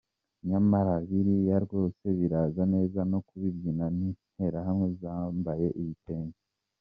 Nyamara biriya rwose birasa neza no kubyinana n’Interahamwe zambaye ibitenge.